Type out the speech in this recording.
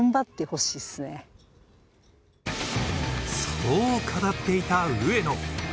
そう語っていた上野。